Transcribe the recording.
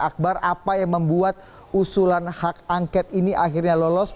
akbar apa yang membuat usulan hak angket ini akhirnya lolos